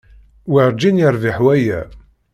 Werǧin yerbiḥ waya.